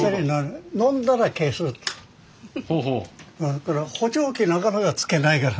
それから「補聴器」なかなかつけないから。